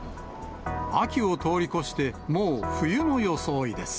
秋を通り越して、もう冬の装いです。